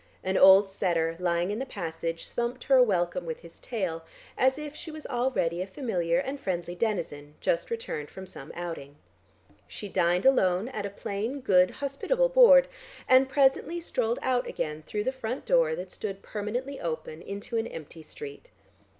An old setter, lying in the passage thumped her a welcome with his tail, as if she was already a familiar and friendly denizen, just returning from some outing. She dined alone at a plain good hospitable board, and presently strolled out again through the front door that stood permanently open into an empty street.